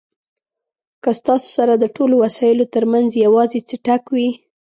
که ستاسو سره د ټولو وسایلو ترمنځ یوازې څټک وي.